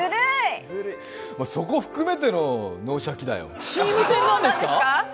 そこを含めての「脳シャキ！」